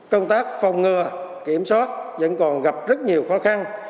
công tác phòng ngừa kiểm soát vẫn còn gặp rất nhiều khó khăn